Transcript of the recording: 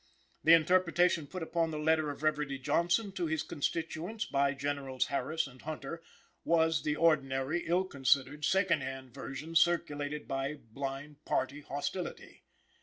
The interpretation put upon the letter of Reverdy Johnson to his constituents by Generals Harris and Hunter was the ordinary, ill considered, second hand version circulated by blind party hostility.